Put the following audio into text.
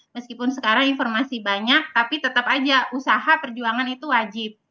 meskipun sekarang informasi banyak tapi tetap aja usaha perjuangan itu wajib